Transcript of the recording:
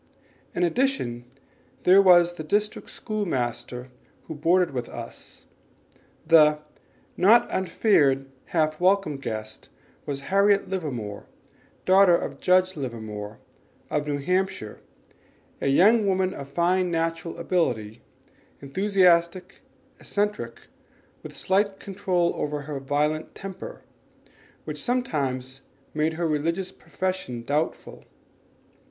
In addition, there was the district school master who boarded with us. The "not unfeared, half welcome guest" was Harriet Livermore, daughter of Judge Livermore, of New Hampshire, a young woman of fine natural ability, enthusiastic, eccentric, with slight control over her violent temper, which sometimes made her religious profession doubtful.